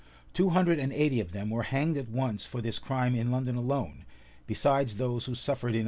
Two hundred and eighty of them were hanged at once for this crime in London alone, besides those who suffered in other parts of the kingdom.